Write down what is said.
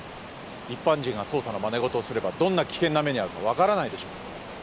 一般人が捜査のまね事をすればどんな危険な目に遭うか分からないでしょ。